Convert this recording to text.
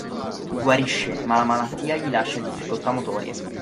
Guarisce, ma la malattia gli lascia difficoltà motorie.